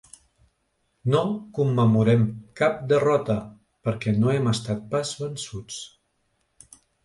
No commemorem cap derrota, perquè no hem estat pas vençuts.